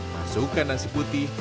masukkan nasi putih